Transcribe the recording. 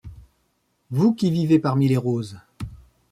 Vous qui vivez parmi les roses